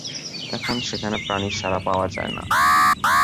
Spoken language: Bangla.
এখন সেখানে প্রাণীর সাড়া পাওয়া যায় না।